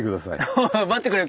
おい待ってくれよ！